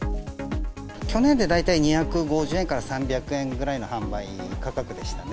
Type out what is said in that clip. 去年で大体２５０円から３００円ぐらいの販売価格でしたね。